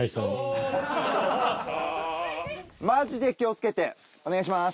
マジで気をつけてお願いします。